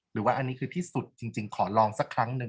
หรือว่าอันนี้คือที่สุดจริงขอลองสักครั้งหนึ่ง